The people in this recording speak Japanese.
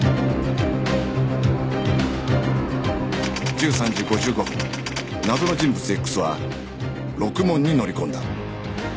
１３時５５分謎の人物 Ｘ はろくもんに乗り込んだ